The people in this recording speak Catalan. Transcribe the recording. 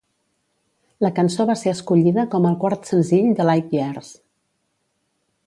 La cançó va ser escollida com el quart senzill de Light Years.